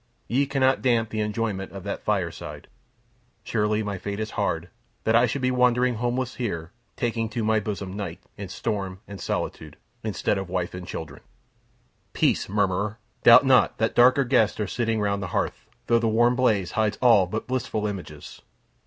Ye cannot damp the enjoyment of that fireside. Surely my fate is hard, that I should be wandering homeless here, taking to my bosom night, and storm, and solitude, instead of wife and children. Peace, murmurer! Doubt not that darker guests are sitting round the hearth, though the warm blaze hides all but blissful images.